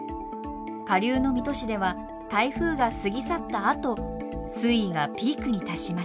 下流の水戸市では台風が過ぎ去ったあと水位がピークに達しました。